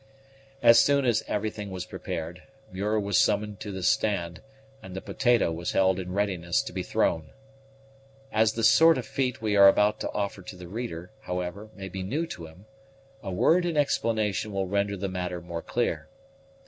As soon as everything was prepared, Muir was summoned to the stand, and the potato was held in readiness to be thrown. As the sort of feat we are about to offer to the reader, however, may be new to him, a word in explanation will render the matter more clear.